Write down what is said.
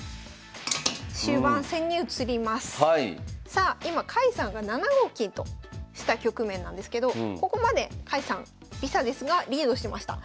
さあ今甲斐さんが７五金とした局面なんですけどここまで甲斐さん微差ですがリードしてました。